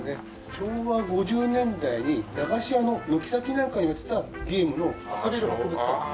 昭和５０年代に駄菓子屋の軒先なんかに置いてたゲームの遊べる博物館です。